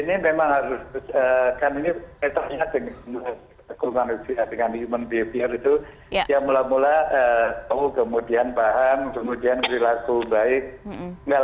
iya ini memang harus